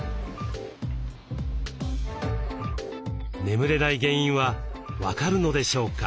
眠れない原因は分かるのでしょうか。